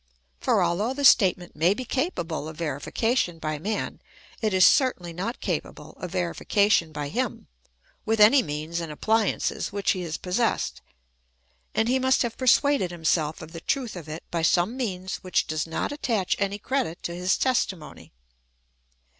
For although the statement may be capable of verification by man, it is certainly not capable of THE El'HIOS OF BELIEF. 199 verification by him^ with any means and appliances which he has possessed ; and he must have persuaded himself of the truth of it by some means which does not attach any credit to his testimony.